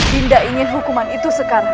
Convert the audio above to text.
dinda ingin hukuman itu sekarang